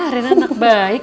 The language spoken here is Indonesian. rena anak baik